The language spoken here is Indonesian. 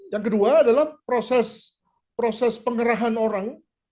yang kedua adalah proses pengerahan orang